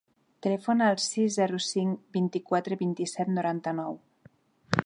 Telefona al sis, zero, cinc, vint-i-quatre, vint-i-set, noranta-nou.